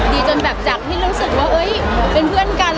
ดีจนแบบจากที่รู้สึกว่าเป็นเพื่อนกัน